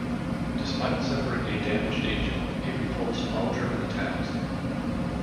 Despite suffering a damaged engine, it repulsed all German attacks.